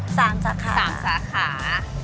๓สาขา